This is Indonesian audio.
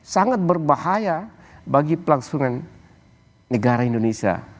sangat berbahaya bagi pelaksanaan negara indonesia